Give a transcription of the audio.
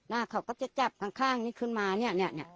นะเขาก็จะจับข้างนี้ขึ้นมาเนี่ยเนี่ยเนี่ย